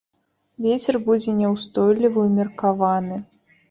Вецер будзе няўстойлівы ўмеркаваны.